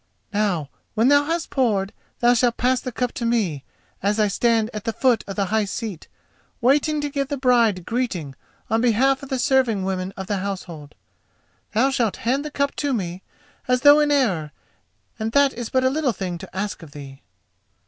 Now, when thou hast poured, thou shalt pass the cup to me, as I stand at the foot of the high seat, waiting to give the bride greeting on behalf of the serving women of the household. Thou shalt hand the cup to me as though in error, and that is but a little thing to ask of thee."